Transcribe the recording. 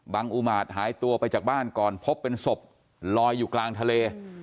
อุมาตรหายตัวไปจากบ้านก่อนพบเป็นศพลอยอยู่กลางทะเล